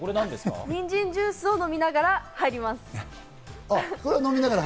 にんじんジュースを飲みながら入ります。